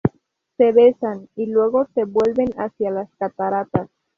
Se besan y luego se vuelven hacia las cataratas.